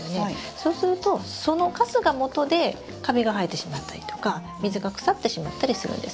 そうするとそのカスがもとでカビが生えてしまったりとか水が腐ってしまったりするんです。